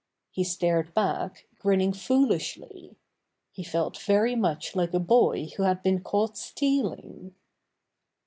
He stared back, grinning foolishly. He felt very much like a boy who had been caught stealing.